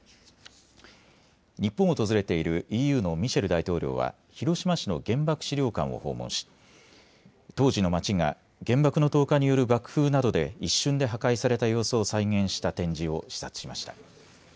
日本を訪れているＥＵのミシェル大統領は広島市の原爆資料館を訪問し当時の街が原爆の投下による爆風などで一瞬で破壊された様子を再現した展示を視察しました。